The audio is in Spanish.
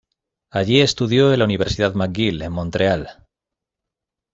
Allí estudió en la Universidad McGill en Montreal.